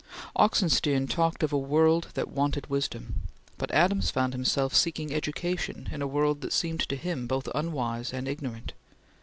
Oxenstiern talked of a world that wanted wisdom; but Adams found himself seeking education in a world that seemed to him both unwise and ignorant.